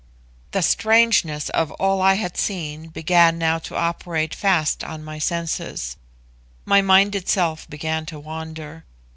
The strangeness of all I had seen began now to operate fast on my senses; my mind itself began to wander.